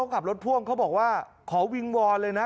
ขับรถพ่วงเขาบอกว่าขอวิงวอนเลยนะ